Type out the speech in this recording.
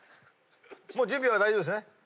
もう準備は大丈夫ですね？